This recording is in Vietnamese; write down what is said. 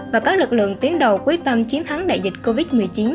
và các lực lượng tuyến đầu quyết tâm chiến thắng đại dịch covid một mươi chín